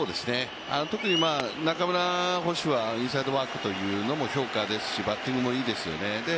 特に中村捕手はインサイドワークというのも評価ですしバッティングもいいですよね。